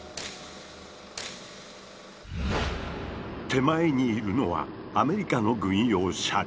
手前にいるのはアメリカの軍用車両。